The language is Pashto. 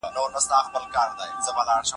د وریښمین درد په بستر موسیقي راغله